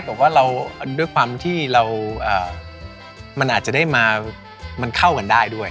แต่ว่าเราด้วยความที่เรามันอาจจะได้มามันเข้ากันได้ด้วย